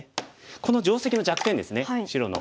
この定石の弱点ですね白の。